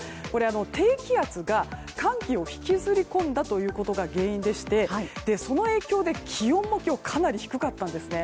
低気圧が寒気を引きずり込んだということが原因でしてその影響で、気温も今日かなり低かったんです。